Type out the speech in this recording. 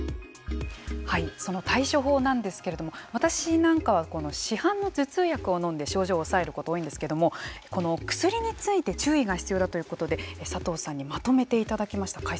その対処法なんですけれども私なんかは市販の頭痛薬をのんで症状を抑えることが多いんですけれどもこの薬について注意が必要だということで佐藤さんにまとめていただきました。